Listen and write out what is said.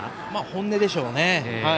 本音でしょうね。